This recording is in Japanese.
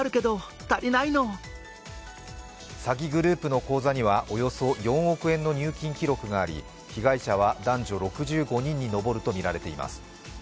詐欺グループの口座にはおよそ４億円の入金記録があり被害者は男女６５人に上るとみられています。